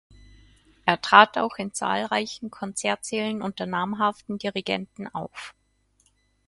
Er trat auch in zahlreichen Konzertsälen unter namhaften Dirigenten auf.